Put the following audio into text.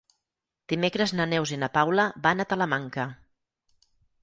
Dimecres na Neus i na Paula van a Talamanca.